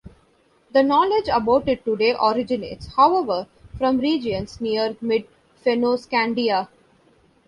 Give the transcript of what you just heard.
The knowledge about it today originates, however, from regions near mid-Fennoscandia.